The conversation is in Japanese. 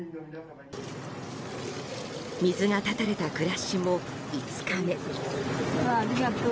水が断たれた暮らしも５日目。